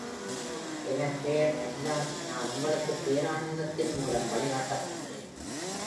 எனது பெயர் Atlas நான் உங்களுக்குப் பேரானந்தத்தின் மூலம் வழிகாட்டப்போகிறேன்.